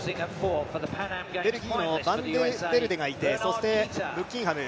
ベルギーのバン・デ・ベルデがいてそしてブッキンハム